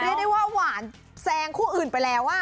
เรียกได้ว่าหวานแซงคู่อื่นไปแล้ว